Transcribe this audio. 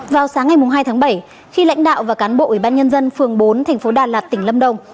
vào sáng ngày hai tháng bảy khi lãnh đạo và cán bộ ủy ban nhân dân phường bốn thành phố đà lạt tỉnh lâm đồng